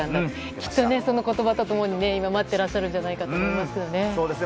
きっとその言葉と共に待っていらっしゃるんじゃないかと思いますね。